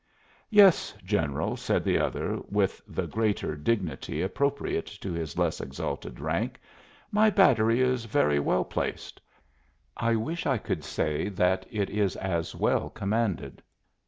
"Yes, general," said the other, with the greater dignity appropriate to his less exalted rank, "my battery is very well placed. I wish I could say that it is as well commanded."